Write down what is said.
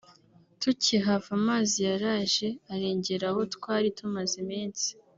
tukihava amazi yaraje arengera aho twari tumaze iminsi